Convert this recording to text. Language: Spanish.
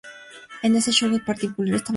En ese show en particular estaba muy tímido.